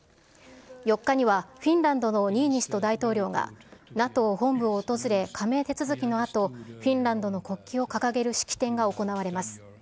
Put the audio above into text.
４日には、フィンランドのニーニスト大統領が、ＮＡＴＯ本部を訪れ、加盟手続きのあと、フィンランドの国旗を掲げる式典が行われます。